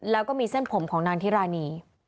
แล้วก็มีเส้นผมของนางทิรานี